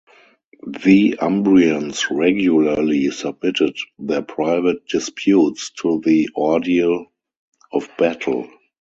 The Umbrians regularly submitted their private disputes to the ordeal of battle.